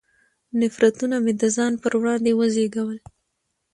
نفرتونه مې د ځان پر وړاندې وزېږول.